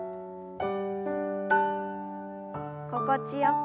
心地よく。